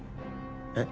えっ？